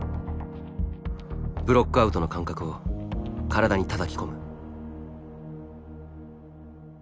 ブロックアウトの感覚を体にたたき込む。